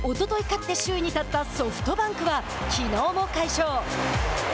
勝って首位に立ったソフトバンクはきのうも快勝。